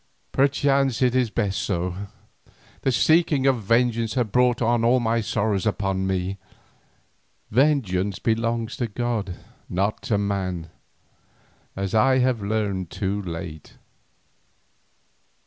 Perchance it is best so. The seeking of vengeance has brought all my sorrows upon me; vengeance belongs to God and not to man, as I have learned too late."